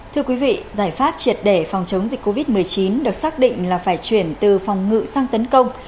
thưa quý vị giải pháp triệt để phòng chống dịch covid một mươi chín được xác định là phải chuyển từ phòng ngự sang tấn công